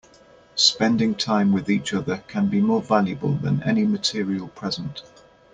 Spending time with each other can be more valuable than any material present.